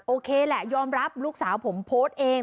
โอเคแหละยอมรับลูกสาวผมโพสต์เอง